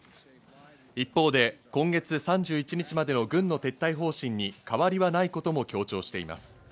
一方で今月３１日までの軍の撤退方針に変わりはないことも強調しています。